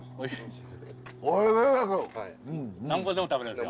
何個でも食べれる。